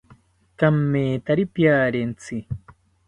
Kamethari piarentzi